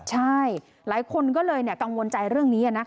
ใช่หลายคนก็เลยกังวลใจเรื่องนี้